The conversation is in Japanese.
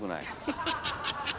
ハハハハハ！